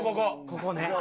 ここね。